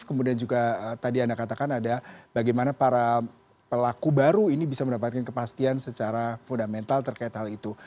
kemudian juga tadi anda katakan ada bagaimana para pelaku baru ini bisa mendapatkan kepastian secara fundamental terkait hal itu